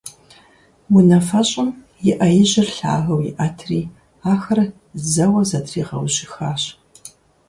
Унафэщӏым и Ӏэ ижьыр лъагэу иӀэтри, ахэр зэуэ зэтригъэужьыхащ.